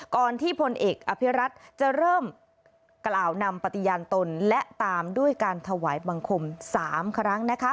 ก่อนที่พลเอกอภิรัตน์จะเริ่มกล่าวนำปฏิญาณตนและตามด้วยการถวายบังคม๓ครั้ง